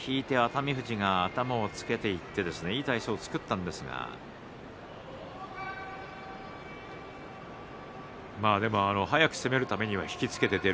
上手を引いて熱海富士が頭をつけていい体勢を作ったんですが一方速く攻めるためには引き付ける。